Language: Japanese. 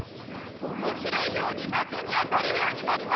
面白いように的に当たるようになりました。